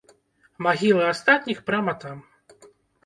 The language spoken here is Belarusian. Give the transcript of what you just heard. Магілы астатніх прама там.